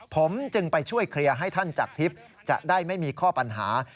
ผมจึงไปช่วยเคลียร์ให้ท่านจักรทิพย์จะได้ไม่มีข้อปัญหา